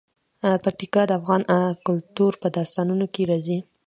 پکتیکا د افغان کلتور په داستانونو کې راځي.